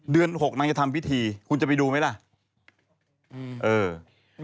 เดือน๖นางจะทำวิธีคุณจะไปดูมั้ยล่ะอืม